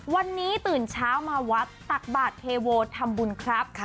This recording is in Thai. วันนี้ตื่นเช้ามาวัดตักบาทเทโวทำบุญครับ